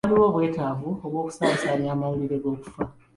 Waliwo obwetaavu bw'okusaasaanya amawulire g'okufa?